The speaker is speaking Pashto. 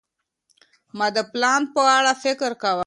ما د پلان په اړه فکر کاوه.